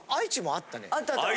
あったあった。